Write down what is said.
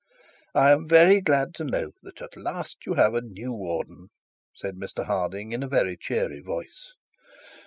'I am very glad to know that at last you have a new warden,' said Mr Harding in a very cheery voice.